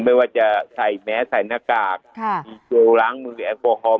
ไม่ว่าจะใส่แม้ใส่หน้ากากมีเจาะล้างมือแอฟโปรคอล